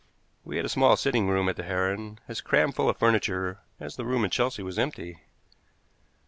We had a small sitting room at the Heron, as crammed full of furniture as the room in Chelsea was empty.